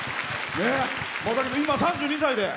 今３２歳で。